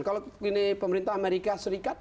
kalau ini pemerintah amerika serikat